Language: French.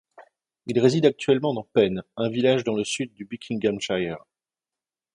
Ils résident actuellement dans Penn, un village dans le sud du Buckinghamshire.